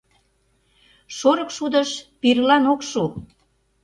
Шорык шудыш пирылан ок шу!